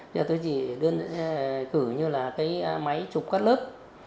thì tôi chỉ đơn giản cử như là cái máy chụp cắt lớp